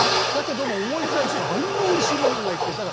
だけども思い返すとあんなおいしいものないって。